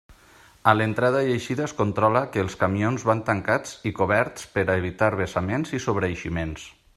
A l'entrada i eixida es controla que els camions van tancats i coberts per a evitar vessaments i sobreeiximents.